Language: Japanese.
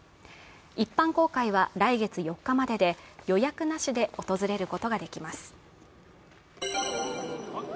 一般公開は来月４日までで予約なしで訪れることができます。